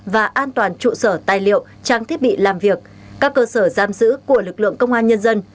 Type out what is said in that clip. và an toàn trụ sở tài liệu trang thiết bị làm việc các cơ sở giam giữ của lực lượng công an nhân dân